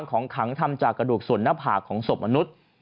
ของสวบมนุษย์